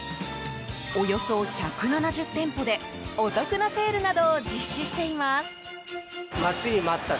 およそ１７０店舗で、お得なセールなどを実施しています。